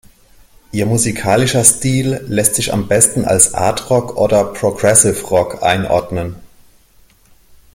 Ihr musikalischer Stil lässt sich am besten als Artrock oder Progressive Rock einordnen.